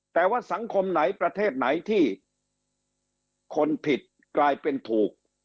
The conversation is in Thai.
แต่ว่าสังคมไหนประเทศไหนที่คนผิดกลายเป็นถูก